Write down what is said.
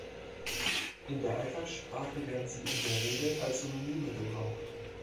In der Alltagssprache werden sie in der Regel als Synonyme gebraucht.